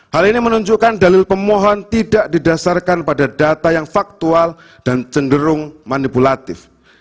hal ini menunjukkan dalil pemohon tidak didasarkan pada data yang faktual dan cenderung manipulatif